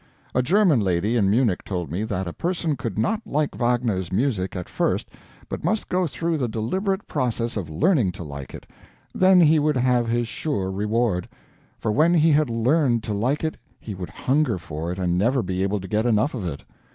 A German lady in Munich told me that a person could not like Wagner's music at first, but must go through the deliberate process of learning to like it then he would have his sure reward; for when he had learned to like it he would hunger for it and never be able to get enough of it.